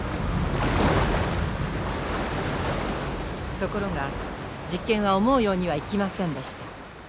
ところが実験は思うようにはいきませんでした。